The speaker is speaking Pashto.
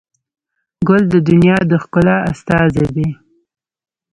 ګل د دنیا د ښکلا استازی دی.